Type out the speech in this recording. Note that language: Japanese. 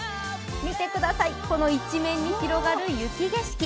見てください、この一面に広がる雪景色。